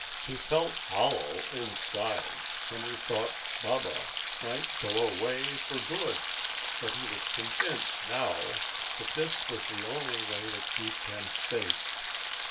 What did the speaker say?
He felt hollow inside when he thought Baba might go away for good, but he was convinced now that this was the only way to keep him safe.